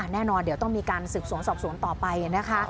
แน่นอนเดี๋ยวต้องมีการสืบสวนสอบสวนต่อไปนะคะ